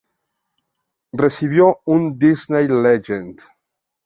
Recibió un Disney Legend.